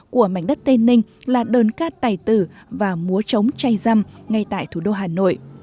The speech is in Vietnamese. của mảnh đất tây ninh là đơn cát tài tử và múa trống chay răm ngay tại thủ đô hà nội